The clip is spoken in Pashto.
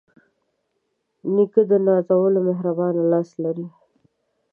نیکه د نازولو مهربانه لاس لري.